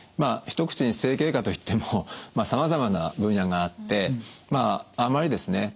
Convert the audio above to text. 一口に整形外科といってもさまざまな分野があってまああんまりですね